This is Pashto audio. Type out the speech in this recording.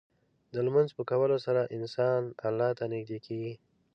د لمونځ په کولو سره انسان الله ته نږدې کېږي.